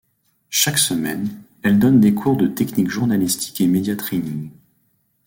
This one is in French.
Chaque semaine, elle donne des cours de techniques journalistiques et media training.